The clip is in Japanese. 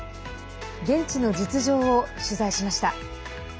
現地の実情を取材しました。